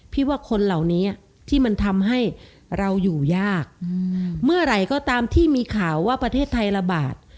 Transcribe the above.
ว่าคนเหล่านี้ที่มันทำให้เราอยู่ยากเมื่อไหร่ก็ตามที่มีข่าวว่าประเทศไทยระบาด